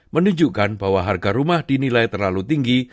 menunjukkan bahwa harga rumah dinilai terlalu tinggi